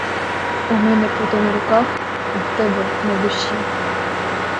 У мене пута на руках, а в тебе на душі!